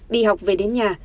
đi học về đến nhà